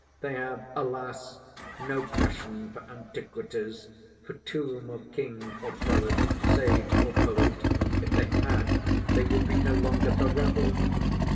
They have, alas! no passion for antiquities; for tomb of king or prelate, sage or poet. If they had, they would be no longer the rabble.